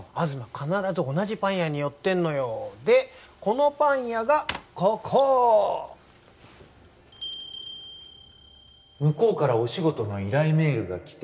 必ず同じパン屋に寄ってんのよでこのパン屋がここ向こうからお仕事の依頼メールが来て